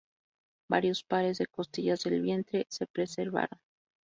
Varios pares de costillas del vientre se preservaron.